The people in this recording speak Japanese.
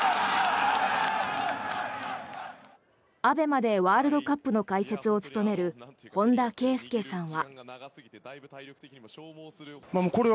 ＡＢＥＭＡでワールドカップの解説を務める本田圭佑さんは。